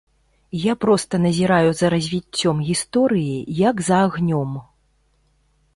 Я проста назіраю за развіццём гісторыі, як за агнём.